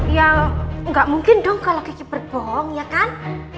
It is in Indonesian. ya enggak mungkin dong kalau gigi berbohong ya kan